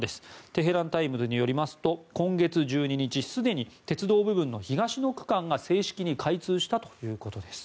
テヘランタイムズによりますと今月１２日すでに鉄道部分の東の区間が正式に開通したということです。